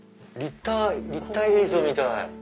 立体映像みたい！